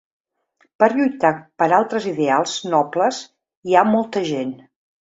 Per lluitar per altres ideals nobles hi ha molta gent.